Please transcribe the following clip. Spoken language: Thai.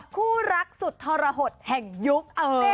คู่รักสุดทรหดแห่งยุค